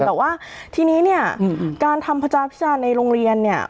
แต่ว่าทีนี้เนี่ยการทำพระจาพิจารณ์ในโรงเรียนเนี่ย